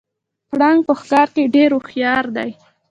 پړانګ په ښکار کې ډیر هوښیار دی